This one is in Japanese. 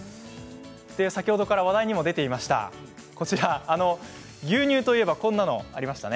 先ほどから話題にも出ていました牛乳といえばこんなものありましたね。